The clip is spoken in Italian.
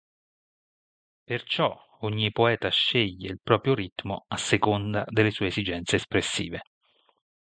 Perciò ogni poeta sceglie il proprio ritmo a seconda delle sue esigenze espressive.